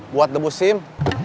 buat debu sim